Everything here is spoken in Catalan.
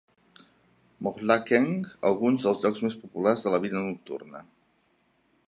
Mohlakeng alguns dels llocs més populars de la vida nocturna.